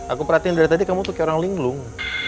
aku perhatiin dari tadi kamu tuh kayak orang linglung